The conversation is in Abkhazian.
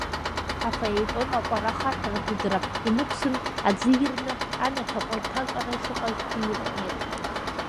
Афаиетон аҟәара ахаҳә рдыдра инықәсын, аӡы ирны, амҩа ҭаҟәа-ҭаҿара шыҟаз иҩыхәнеит.